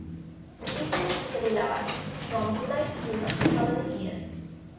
The season typically lasts from July to June of the following year.